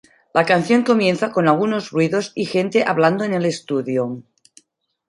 La canción comienza con algunos ruidos y gente hablando en el estudio.